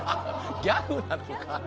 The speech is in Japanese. ギャグなのか？